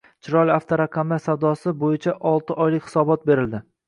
«Chiroyli» avtoraqamlar savdosi bo‘yichaoltioylik hisobot berildi